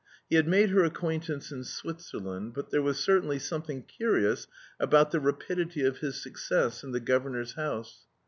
He had made her acquaintance in Switzerland, but there was certainly something curious about the rapidity of his success in the governor's house.